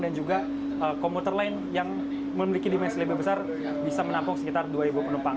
dan juga komputer lain yang memiliki dimensi lebih besar bisa menampung sekitar dua penumpang